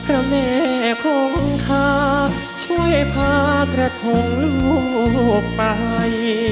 พระแม่พลงค่ะช่วยพาตระทงลูกไป